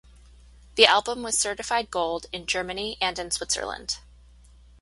The album was certified gold in Germany and in Switzerland.